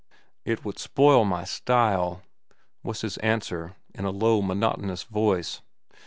"It would spoil my style," was his answer, in a low, monotonous voice.